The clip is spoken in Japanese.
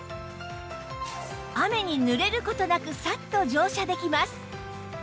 雨にぬれる事なくサッと乗車できます